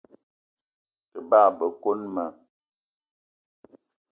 Te bagbe koni ma.